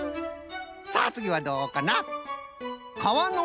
さあつぎはどうかな？